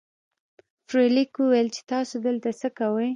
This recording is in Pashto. فلیریک وویل چې تاسو دلته څه کوئ.